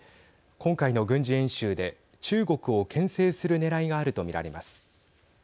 今回の軍事演習で中国を、けん制するねらいがあると見られます。